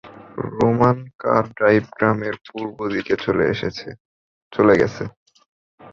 Roman Car Dyke গ্রামের পূর্ব দিকে চলে গেছে।